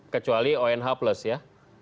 kecuali onh plus ya